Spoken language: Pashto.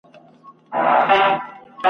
نه به چاته له پنجابه وي د جنګ امر راغلی !.